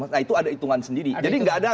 nah itu ada hitungan sendiri jadi nggak ada